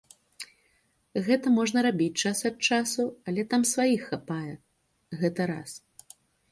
Гэта можна рабіць час ад часу, але там сваіх хапае, гэта раз.